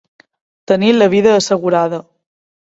Tenir la vida assegurada.